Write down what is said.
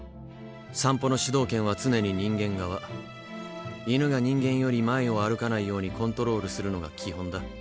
散歩の主導権は常に人間側犬が人間より前を歩かないようにコントロールするのが基本だ。